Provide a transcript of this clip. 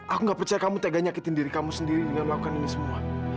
aku gak percaya kamu tega nyakitin diri kamu sendiri dengan melakukan ini semua